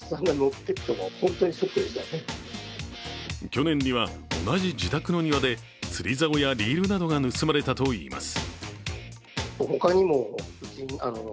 去年には同じ自宅の庭で釣りざおやリールなどが盗まれたといいます。